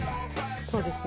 そうですね